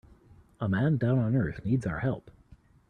A man down on earth needs our help.